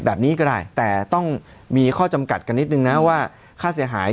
แบบนี้ก็ได้แต่ต้องมีข้อจำกัดกันนิดนึงนะว่าค่าเสียหาย